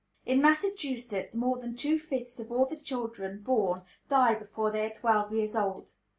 In Massachusetts more than two fifths of all the children born die before they are twelve years old.